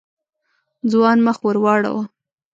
ځوان مخ ور واړاوه.